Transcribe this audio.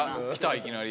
いきなり。